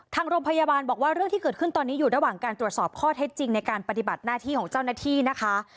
ทางโรงพยาบาลบอกว่าเรื่องที่เกิดขึ้นตอนนี้อยู่ระหว่างการตรวจสอบข้อเท็จจริงในการปฏิบัติหน้าที่ของเจ้าหน้าที่นะคะ